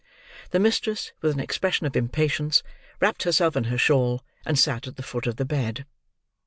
The mistress, with an expression of impatience, wrapped herself in her shawl, and sat at the foot of the bed.